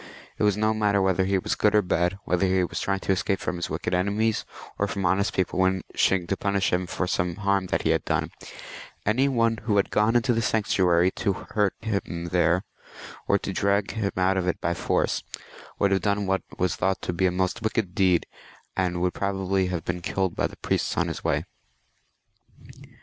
It was no matter whether he was good or bad, whether he was trying to escape from wicked enemies, or from honest people wishing to punish him for some harm that he had done ; any one who had gone into the sanctuary to hurt him there, or to drag him out of it by force, would have done what was thought to be a most wicked deed, and would probably have been killed by the priests on his way.